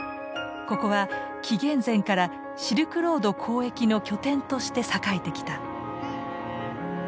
ここは紀元前からシルクロード交易の拠点として栄えてきた。